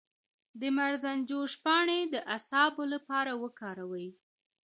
د مرزنجوش پاڼې د اعصابو لپاره وکاروئ